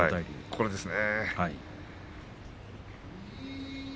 これですね。